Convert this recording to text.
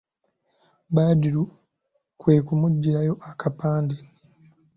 Badru kwe kumuggyirayo akapande.